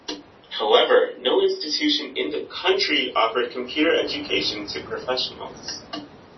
However, no institution in the country offered computer education to professionals.